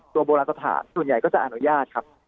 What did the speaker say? โบราณสถานส่วนใหญ่ก็จะอนุญาตครับ